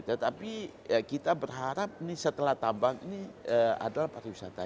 tetapi kita berharap setelah tabang ini adalah pariwisata